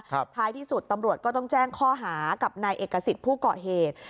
ท้ายที่สุดตำรวจก็ต้องแจ้งข้อหากับนายเอกสิทธิ์ผู้ก่อเหตุ